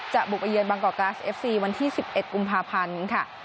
จะบุประเยียนบางกอร์กราศเอฟซีวันที่๑๑กุมภาพันธุ์ค่ะ